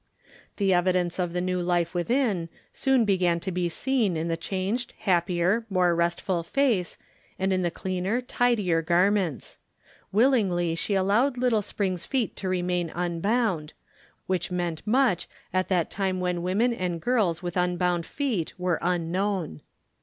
The evidence of the new life within soon began to be seen in the changed, happier, more restful face, and in the cleaner, tidier garments. Willingly she allowed little Spring's feet to remain unbound, which meant much at that time when women and girls with unbound feet were unknown.